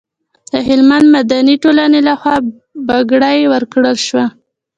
د هلمند مدني ټولنې لخوا بګړۍ ورکول شوه.